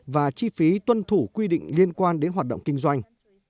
và chi phí tuân thủ quy định liên quan đến hoạt động kinh doanh